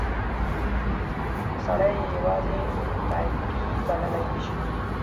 سړی یې یوازې ټایپي بللای نه شي.